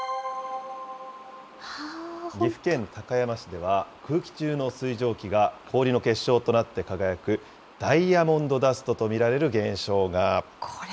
岐阜県高山市では、空気中の水蒸気が氷の結晶となって輝く、ダイヤモンドダストと見られる現象が。